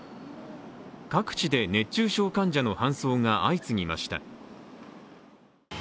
各地で熱中症患者の搬送が相次ぎました。